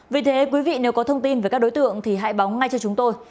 vì thế quý vị nếu có thông tin về các đối tượng thì hãy báo ngay cho chúng tôi